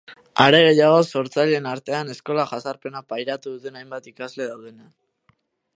Are gehiago, sortzaileen artean, eskola jazarpena pairatu duten hainbat ikasle daudenean.